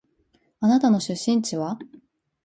あなたの出身地は？